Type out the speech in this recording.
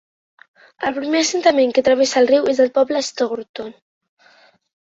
El primer assentament que travessa el riu és el poble de Stourton.